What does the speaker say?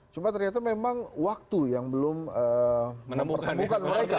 cuma ternyata memang waktu yang belum mempertemukan mereka